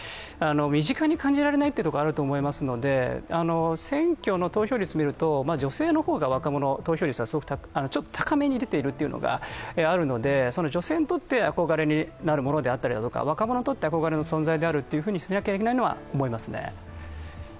身近に感じられないということがあると思いますので選挙の投票率を見ると女性の方が若者はちょっと高めに出ているというのがあるのでその女性にとって憧れになるものであったりとか若者にとって憧れの存在にしなければならないというのは思います。